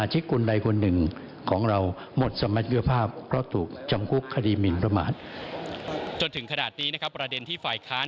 จนถึงขนาดนี้นะครับประเด็นที่ฝ่ายค้าน